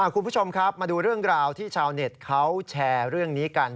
คุณผู้ชมครับมาดูเรื่องราวที่ชาวเน็ตเขาแชร์เรื่องนี้กัน